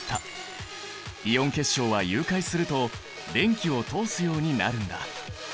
イオン結晶は融解すると電気を通すようになるんだ。